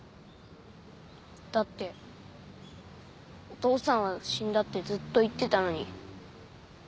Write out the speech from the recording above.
だってお父さんは死んだってずっと言ってたのに。